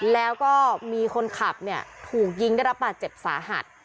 แล้วก็มีคนขับเนี่ยถูกยิงได้รับบาดเจ็บสาหัส